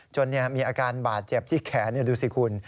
มีอาการบาดเจ็บที่แขนดูสิคุณ